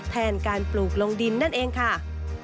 แทนการปลูกลงดินนั่นเองค่ะ